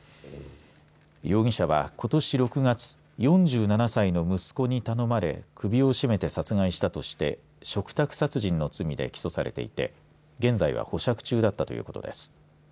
容疑者は、ことし６月４７歳の息子に頼まれ首を絞めて殺害したとして嘱託殺人の罪で起訴されていて現在は保釈中だったということです。